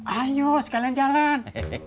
ayo sekalian jalan